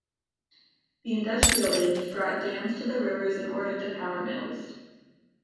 The Industrial Age brought dams to the rivers in order to power mills.